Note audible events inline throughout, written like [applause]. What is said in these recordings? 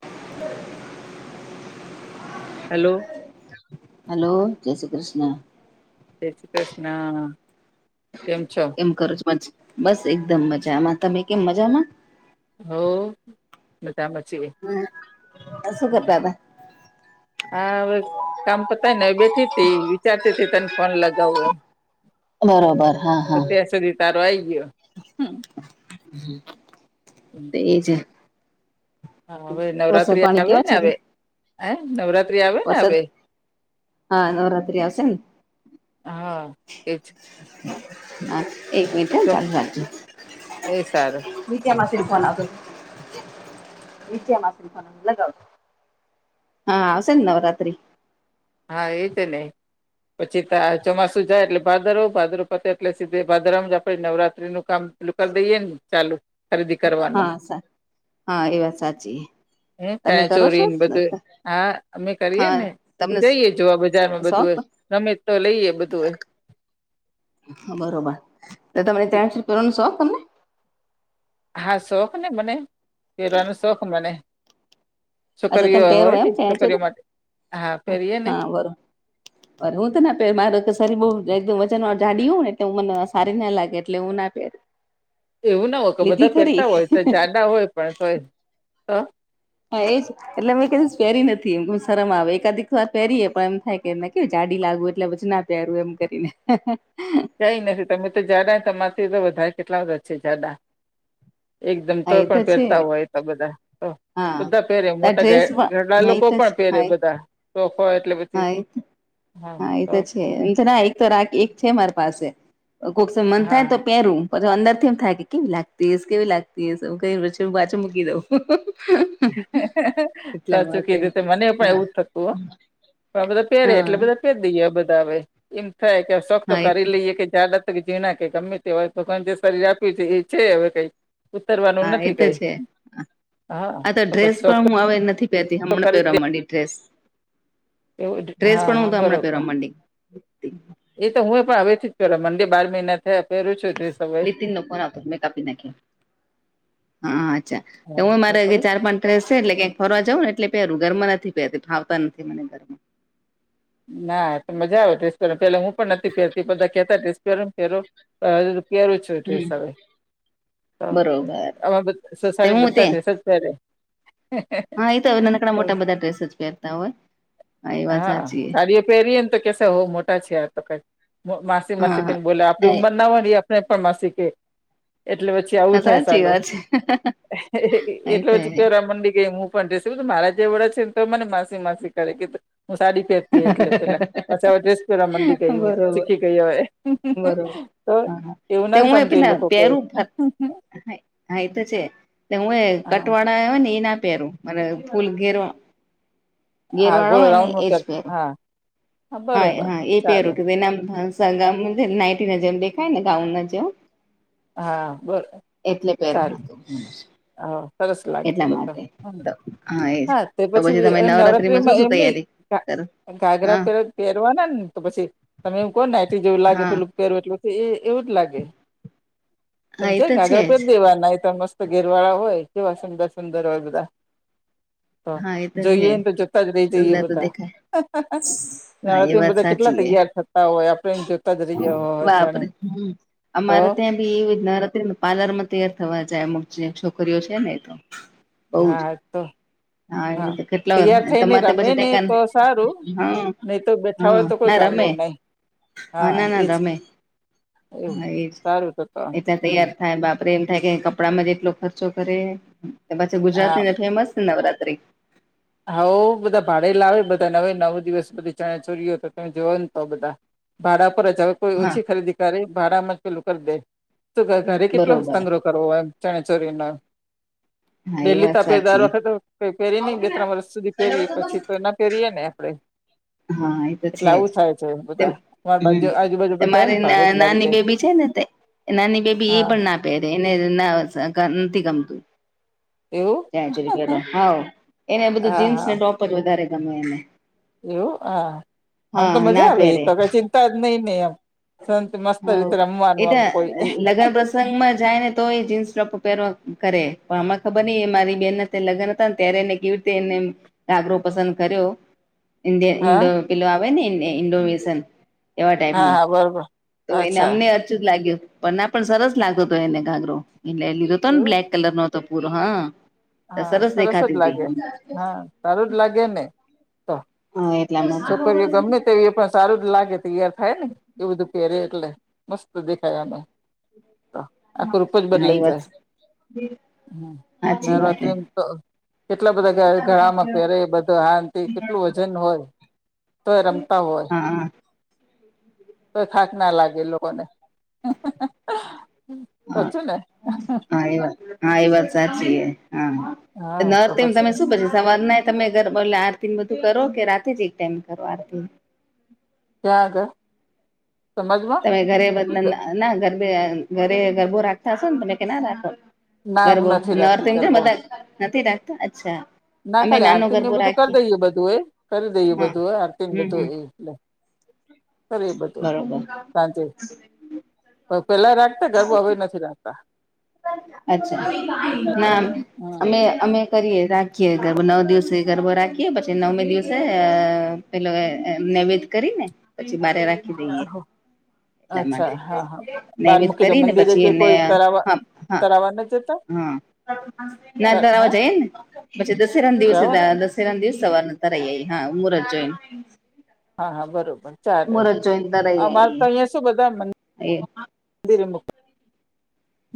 છે. Hello. Hello જય શ્રી કૃષ્ણ. જય શ્રી કૃષ્ણ કેમ છો. એમ કરો છો બસ એકદમ મજામાં તમે કેમ મજામાં. હો મજામાં છીએ શું કરતા હતા હાવે. કામ પતાઈ ને બેઠી તી વિચારતી તને ફોન લગાવ એમ. બરોબર હા તો હા ત્યાં સુધી તારો આઈ ગયો. હમ. હમ. એજ હા વરસાદ પાણી કેવા છે ત્યાં એ નવરાત્રી આવે ને હવે. હા નવરાત્રિ આવશે ને. હા એજ હ એક મિનિટ હ ચમ ચાલુ રાખજે એ સારું વિજયા માસીને ફોન આવતો વીજયા માસી ફોન લગાવ. હા હશે નવરાત્રી હા એજ ને પછી ત ચોમાસું જાય એટલે ભાદરવો ભાદરવો પતે એટલે સીધે ભાદરમાં જ આપડ નવરાત્રી નું કામ. એટલે કર દઈએે ને ચાલુ ખરીદી કરવાનું. હા સા હા એ વાત સાચી હા તમે ચણીયા કરો છો ચોરીને બધું હા અમે કરીએ હા ને. તમને જઈએ જોવા બજારમાં શોખ બધું ગમે તો લઈએ બધું એ. બરોબર તો તમને ડાન્સ કરવાનું શોખ તમને. હા શોખ ને મને પેરવાનો શોખ મને. અચ્છા છોકરીઓ તમે પહેરો હોય એમ ને ચણિયાચોલી છોકરીઓ માટે હા પહેરીએ ને. [inaudible] હું તો ના પેરુ મારે કે શરીર વજન વાળ જાડી હો ને હ મને સારી ના લાગે એટલે હું ના પેર. [inaudible] એવું ના હોય કે બધા પહેરતા હોય તો જાડા હોય પણ તોય. હા એ જ એટલે મે ક ઈ દિવસ પહેરી નથી એમ શરમ આવે એકાધિકવાર પહેરીએ પણ એમ થાય. એમને કેવું જાડી લાગવું એટલે પછી ના પ્યારું એમ કરીને. કઈ નથી તમે તો જાડા તમારેથી તો વધારે કેટલા બધા છે જાડા. એકદમ હા એ તોય તો પણ છે પહેરતા હોય તો બધા તો. હા બધા પહેરે આ મોટા ધર ડ્રેસ ઘરડા પણ હા એ લોકો તો પણ પહેરે હા બધા. સોખ હોય એટલે પછી. હા એ હા એ તો છે એમ છે ના એક તો રાખી એક છે મારી પાસે કોક સમય મન હા થાય તો પહેરું. પછી અંદરથી એમ થાય કેવી લાગતી હ ઈસ કેવી લાગતી હ ઈસ કઈ હ પાછું મૂકી દઉં. એટલા સાચું માટે કીધું તે મને પણ હા. એવું જ થતું હો પણ બધા પહેરે હા એટલે બધા પહેરી બધા હવે એમ થાય કે સોખ તો હા એ કરી લઈએ કે જાડ જે ના કઈ ગમે તે હોય તો જે શરીર આપ્યું એ છે હવે કઈક. ઉતરવાનું હા એ નથી તો કઈ છે હા. આ તો ડ્રેસ પછી શોખ પણ હું હવે નથી પહેતી તો હમણાં કરી જ પહે દે માંડી ડ્રેસ. એવું જ. ડ્રેસ હા પણ હા હું હમને બરોબર પહેરવા મડી. એ તો હું એ પણ આવે પહેલા મન્ડે બાર મહિના હે પેરું જ લીતિન ન કો ના હતો મેં કાપી નાખ્યા. હા અચ્છા તો હા હું જે ખબર મારે પડી ચાર પાંચ ડ્રેસ છે એટલે કંઈક ફરવા જવુ ને એટલે પહેરું ઘરમાં નથી પહેરતી ફાવતા નથી મને ઘરમાં. ના મજા આવે ડ્રેસ પહેરવા પહેલા હું પણ નથી પેરતી બધા કેતા ડ્રેસ પહેર્યો ને પહેરો. હા હું તો પહેલું જ. તો હમ ડ્રેસ આવે તા બરોબર અમારા બધ તે હું સોસાયટીમાં તે બધા ડ્રેસ જ પહેરે. હા એ તો હવે નાનકડા તો મોટા બધા ડ્રેસ જ પહેરતા હોય હા એ વાત સાચી. પહેરીને તો કે હો મોટા છે તો કઈ માસી માસી હા કઈને બોલે આપડી ઉંમર ના હોય વાડી પણ માસી કે એટલે પછી હા આવું થાય સાચી ચાલો વાત એટલો છે જ કે એ મંડી કે હું પણ ડે શું મારા જે વડે છે ને તો મને માસી માસી કરે કે હું સાડી પેર તે એટલે પેલા પાછા હવે ડ્રેસ પહેરવા મંડી તો ગઈ હું બરોબર શીખી ગઈ હવે હું હું બરોબર હું તો હા હા એવું તે ના હું એ સમજે પેલા લોકો કોઈ પહેરું હું હું હા એ તો છે હું એ હા કટવાડા આવ ને એ ના પહેરું. મને ફૂલ ઘેરો હા ઘેરવાળો ગોળ હોયને રાઉન્ડમાં એ જ કર. હા હા બરોબર હા એ પહેરો ચાલે કે [unintelligible] ના નાઈટી ન જેમ દેખાય ને ગાઉન નો જેવો. હા બ એટલે પહેરું. ચાલે હા. સરસ લાગે એટલા બધ માટે હમ તો એજ હા તે તો તમે પછી શું નવરાત્રીમાં શું એમની તૈયારી કા કરો ઘાઘરા હા પે પહેરવાના ને તો પછી તમે એવું કહો ને નાઇટી જેવું લાગે હા પેલું. પહેરું એટલું એ એવું જ લાગે પણ હા એ છે તો ઘાઘરા પેર જ દેવા ના એ તો મસ્ત ઘેરવાળા હોય કેવા સુંદર સુંદર હોય બધા. તો હા એ છે જોઈએને તો જોતા જ રહી જઈએ સુંદર તો બધા દેખાય [unintelligible] હા એ કારણકે વાત બધા કેટલા સાચી એ તૈયાર થતા હોય આપડ એમ જોતા જ રહ્યા હોય. હા આપણે હમ્મ. અમારે તેમ તે નવરાત્રીમાં પાર્લર માં તૈયાર થવા જાય અમુક જે છોકરીઓ છે ને એ તો. બઉ જ હા તો. હા એ તો કેટલા તૈયાર થઈને તમારે તો રમે પછી ત ને તો સારું હા નહી તો બે થવો હા તો કોઈ ના કામ રમે નું નહીં. હા ના ના રમે એવું એજ સારું તો તો એટલા હમ તૈયાર થાય બાપ આપણે એમ થાય કે કપડામાં જ જેટલો ખર્ચો કરે પછી ગુજરાત હા નીને ફેમસને નવરાત્રી. હઉ બધા ભાડ લાવે બધા નવે નવ દિવસ બધી ચણા ચોરીઓ તો તમે જોવા ને તો બધા. ભાડા પરજાવ કોઈ હા ઓછી ખરીદી કરે ભાડામાં પેલું કરી દે તો ઘરે કેટલો બરોબર સંગ્રહ કરવો હોય ચણીયા ચોળી નો. હા એ ડેલી તો વાત આપણે દર સાચી વખતે પહેરી ની બે ત્રણ વર્ષ સુધી પહેરીએ પછી તો એ ના પહેરીએ ને આપડે. હા એ તો એટલે છે જ આવું થાય છે તે બધા અમારી બાજુ આજુબાજુ હમ બધાય ને મારી ભાડે જ લાવી દે નાની બેબી છે ને તે એ નાની બેબી એ હા પણ ના પેરે એને ના સા નથી ગમતું. એવું ચણીયા ચોળી પહેરવા હાવ એને બધું હા જીન્સ હા ને ટોપ જ વધારે ગમે એને. એવું હા આમ તો હા મજા ના આવે એ પહેરે તો કઈ ચિંતા જ નહી નહી આમ સા મસ્ત રીતે રમવાનું આમ કોઈ સંગમાં જાય ને તો એ જીન્સ, ટોપ પહેરવા કરે પણ અ ખબર નહ એ મારી બેન લગ્ન હતા ને ત્યારે એને કેવી રીતે એને કાગરો પસંદ કર્યો ઇન્ડ ઇન્ હા પેલો આવે ને ઇન્ડોનેશિયન હા હા બરોબર તો એને અચ્છા અમને અર્ચુત લાગ્યું પણ ના પણ સરસ લાગતો હતો, એને ઘાગરો એટ એલ્ ર હતોને એવું બ્લક કલર નો હતો પૂરો હા સરસ દેખાતી. [unintelligible] લાગેને [unintelligible] સક એ ગમે એ પણ સારું જ લાગે તૈયાર થાય, ને એવું બધું પહેરે એટલે મસ્ત દેખાયનું આમા આ ક્રુપ જ હા એ બદલાઈ વાત જાય. સાચી વાત [unintelligible] કેટલા બધા ગળામાં પહેરે બધું હાંતિ કેટલું વજન હોય. તો એ રમતા હોય. હા તો થાક ના લાગે લોકોને હા સાચું ને હા એ વાત હા, એ વાત સાચી હા હા ન તો તમે શું પછી સવાદ ના તમેરલે આરતી બધું કરો કે રાતે જ એક ટાઈમ કરો આરતી [unintelligible] સમાજમાં તમે ઘરે બ ના ગરબ ઘરે ગરબો રાખતા હશો ને તમે કે ના રાખો ના હું ગરબો નથી રાખતી નમ ગરબો બધા નથી રાખતા અચ્છા ના અમે ખાલી નાનો આરતી ને ગરબો બધું કરી રાખીએ દઈએ, બધુ એ કરી દઈએ હા બધું હો આરતી હમ બધું હમ એટ [inaudible] કરી એ બધું બરોબર સાંજે પેલા રાખતા ગરબું હવે, નથી રાખતા. અચ્છા એટલે ના હમ અમે અમે કરીએ રાખીએ ગરબો નવ દિવસે ગરબો રાખીએ પછી નવમે દિવસે પેલો નૈવેદ્ય કરી ને પછી બારે રાખી એટલા અચ્છા માટે હા હા બહાર નૈવધ મૂકી કરીને પછી એને હા હા કરવા નથી જતા. હા ના ત હે આવવા જઈ ને પછી દસેરા ના દિવસે જાઓ દ ને તરંદ દિવસેવારને તરેૈઈ હા મુરજોઈન હા હા બરોબર ચાલે આ વાર તો અહીયાયા શું બધા મ એ મંદિરે મૂકે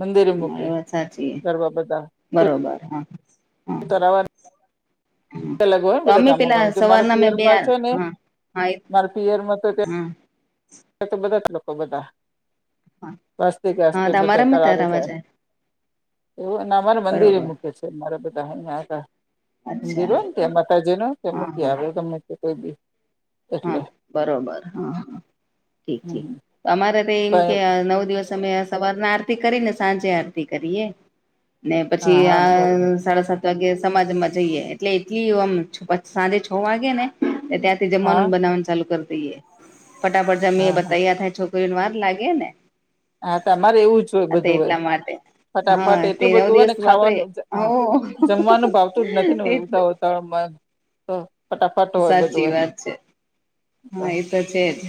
મંદિરે મૂકે એ વાત સાચી ગરબા બધા બરોબર હા. હા તરાવા અલગ હોયને તો બધા અમે કામો કામ પેલા છે, મારા સવારના અમે બે તિયરમાં છેને. હા હા મારે પીયરમાં તોજ હા તો બધા જ લોકો બધા હા વાસ્તિકસ્ હા બધા તમારામાં કરાવ તારામાં જાય એવું નામાં મંદિરે બરોબર મારા બધા અહિયાંયા હતા અચ્છા મંદિરો ને ત્યાં માતાજી ન ત્યા હા મૂકી હા આર્વતમે કોઈ બી હા એટલે બરોબર હા ઠીક છે, હમ આ બરોબર પણ અમાનવ દિવસ તમે સવારના આરતી કરીને સાંજે આરતી કરીએ ને હા પછી હા બરોબર આ સાડા સાત તો સમાજમાં જઈએ એટલે એટલીમ સાંજે છે, વાગે ને ત્યાંથી. હા જમવાનુંન બનાવવાનું ચાલુ કરી દઈએ ફટાફટ જમી હા હા બતાયા થાય છોકરીઓને વાર લાગે ને હા તમા અરે એવુજ હોય તે બધું હોય. એટલા માટે હા ફટાફટ તે એટલું નવ બધું હોય, ને દિવસ વાપરે ખાવાનું હ જમવાનું ભાવતું જ એટલું નથીતા હોતુ. તળમાં તો ફટાફટ હોય બધુ સાચી વાત છે હા એ તો છે, જ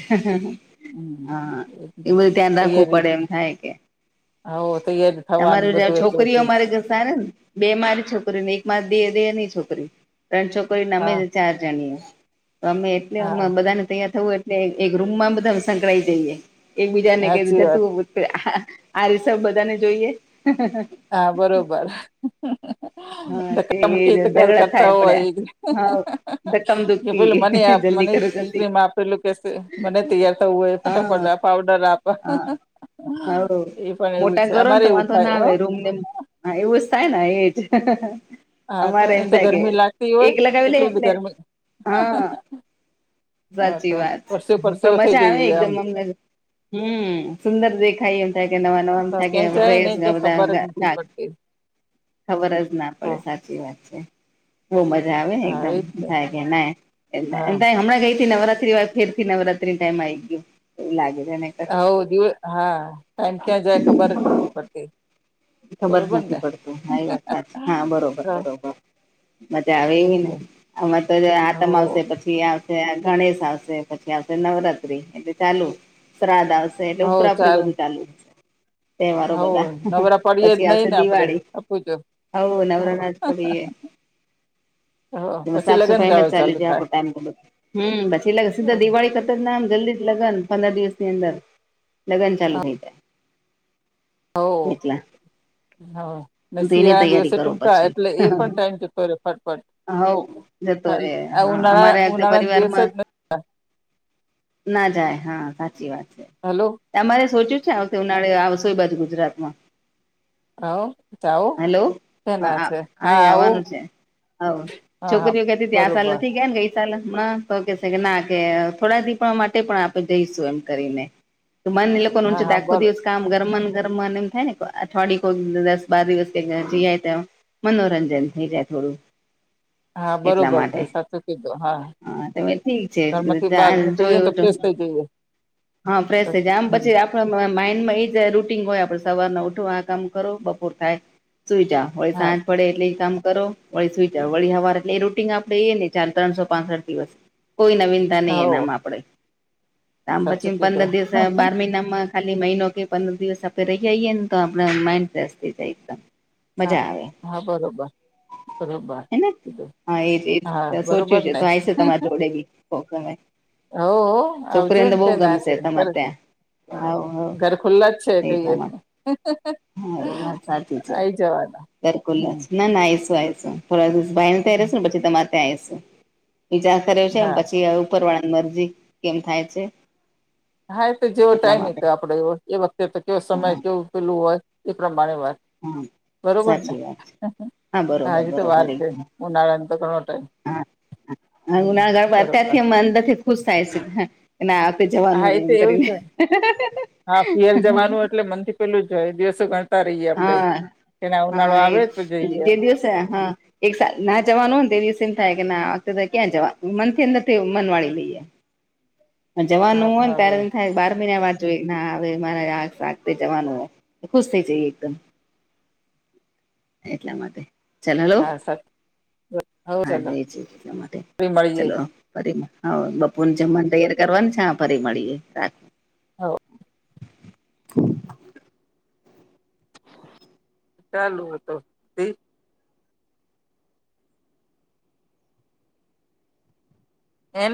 હમ હા એ બધું ધ્યાન રાખવું તૈયારી પડે એમ થાય કે હો તૈયાર તમાર થવાનું બધું એટલું છોકરીઓ હતું અમારે ઘસાય ને બે મારી છોકરી ને એક માર દેહ ની છોકરી ત્રણ છોકરીને અમે હા ચાર જણીએ તો અમે એટલે હા બધાને તૈયાર થવું એક રૂમ માં બધા સંકળાઈ જઈએ એકબીજાને કધું સાચી વાત જતું હો આ રીસબ બધાને જોઈએ હા બરોબર હા તે કમકીત ક ઝઘડા કરતા થાય હો પડે એ. હા ધક્કમ જે પેલું ધુક્કી મને આપ જલ્દી મને કરો જલ્દી ક્રીમ આપેલું કે મને તૈયાર થવું હોય હા ફટાફટા પાવડર આપ. [unintelligible] હા એ પણ એવું મોટા છે ઘરો ને અમારે તો એવું વાંધો થાય ના હો આવે રૂમ ને હા એવું જ થાય ને એજ હા તો અમારે એમ એ તો થાય કે ગરમી લાગતી હોય એક લગાવી લે કેટલી બધી એટલે ગરમી હા. સાચી તો વાત પરસે પણ પરસેવો થઈ મજા આવે જઈએ આમ એકદમ અમને હમ સુંદર દેખાય એમ થાય કે નવા નવા એમ થાય કેસ બધા. એમ. ખબર જ ના પડે સાચી વાત છે. બહુ મજા આવે હા એકદમ એજ ને થાય કે ના હા હમણાં ગઈથી નવરાત્રી વા. ફેર થી નવરાત્રી ટાઈમ આવી ગયો એવું લાગે છેને. હ દ હા ટાઈમ ક્યાં જાય ખબર જ નથી પડતી. ખબર જ બરોબર નથી ને પડતું હા એ વાત સાચી હા બરોબર એટલે બરોબર. મજા આવે એવી ને હવ અ તો હાથમાં આવશે પછી. પછી આવશે ગણેશ આવશે પછી આવશે નવરાત્રી એટલે ચાલુ શ્રાદ્ધ આવશે. એટલે હવ ઉપરા ઉપરી ચાલ બધું ચાલુ છે તહેવારો હવ બધા. નવરા પડીએ જ પછી નહી આવશે ને આપડે દિવાળી આપું જો હ નવરા ના જ પએ. કે પછી સાફ લગ્ન સફાઈ એમે જ ગાળો ચાલુ છે થાય આપણો ટાઈમ કે હમછ એ સીધા હવ દિવાળી કર જમ જલ્દી. લગ્ન પંદર દિવસ ની અંદર લગ્ન ચાલુ થઈ જાય. મટલા. હા શિયાળા તૈયારી દિવસે કરો ટૂંકા પછી એટલે એ પણ ટાઈમ જતો રે ફટફટ હઉ જતો રહેે આ હા ઉનાળા અમારે ઉનાળાના દિવસ પરિવારમાં. જ ના જાય હા સાચી વાત છે. હેલો. અમારે સોચ્યું છે ઉનાળે આવસોય બાજુ ગુજરાતમાં. હ જાવું હેલો કેના છે હા આવું. હ હા હા છોકરીઓ કથી ત્યાં સલ બરોબર નથી ગયા ને કઈ. ચ તો કે કે ના કે થોડા દીપ માટે પણ આપે જઈશું એમ કરીને તો મને એ લોકો ન હા છે દ હા આખો બરો દિવસ કામ ગરમન ગરમન એમ થાય ને અઠવાડી કોક દસ બાર દિવસ જીાય તો મનોરંજન થઈ જાય થોડું હા એટલા બરોબર છે માટે સાચો કીધ હા તો ઠીક છે ઘરમાંથી બાર ચાલ નીકળીએ તો જોયું થઈ જઈએ. હા ફ્રેશ થઈ જાય આમ હમ, પછી આપ માઈન્ડમાં એ જ રૂટીન હોય આપડે સવારના ઉઠવા આ કામ કરો બપોર થાય સુઈ જા. હા [unintelligible] પડે એટલે એ કામ કરો વળી સુ વળ હવાર એલે એ રૂટંગ આપણે એ ચ ત્રણસો પાંસઠ દિવસ કોઈ નવીનતા નહી હો એનામ આપડે આમ સાચું પછી પંદર કીધું દિવસ બાર મહિનામાં ખાલી મહિનો કે પંદર દિવસ આપે રહી આવીઈએ ને તો આપ માઇન્ડ ફેશ થઈ જાય એકદમ હા મજા આવે હા બરોબર બરોબરધ હેને હા એ સોચ્યું છે તો આય છે તમારી જોડે બી કોમે. હો હો આવજો ને કે ના ગમશે છેને કર. તમારે ત્યાં હાવ હાવ ઘર ખુલ્લા જ છે કઈ એટલા માટે હા એ વાત સાચી છે સરકુલ્ હમ જ ના ના એસવાય એસવાય થોડા દિવ ભાઈ ને ત્યાં રહેસે હમ, ને પછી તમારે ત્યાં આવીશે વિચાર કર્યો છે હા પછી આવું ઉપર વાળાની મરજી કેમ થાય છે.? હા એ તો જેવો એટલા ટાઈમ માટે તો આપડે એવ એ વખતે તો કેવો સમય હા કેવું પેલું હોય એ પ્રમાણે વાત હા બરોબર ને સાચી વાત હા બરોબર હજી તો વાર બરોબર છે એકદમ ઉનાળાને તો ઘણો ટાઈમ હા હમ નાગર [inaudible] બરોબર અત્યારથી એ અંદ ખુશ થાય છે. એ આ વખતે હા જવાનું એ એમ તો એવું કરીને. છે હા પિયર જવાનું એટલે મનથી પેલું જય દિવસ ગણ તા રહીએ આપડે હા એના ઉનાળો આવે જ તો જઈ એમ. છે હા એક ના જવાનું હો ને તો એ દિવસે એમ થાય કે ના વખતે ક્યાં જવા મનથી નથી મન વાળી લઈએ. જવાનું હા હો ને હા ત્યારે હોય એમ થાય બાર મહિના બા જો ના આવે મારે આ જવાનું હોય ખુશ થઈ જઈ એકદમ. એટલા માટે ચલ હલો હા સાચું હવ હા ચલો છે એટલા માટે ફરી મળીએ ચલો! ફરી હા બપોર જમવાનુ તૈયાર કરવાનું છે ફરી મળીએ રાખ. હ ચાલુ હતો તે એનડ